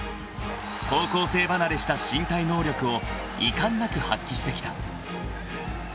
［高校生離れした身体能力を遺憾なく発揮してきた］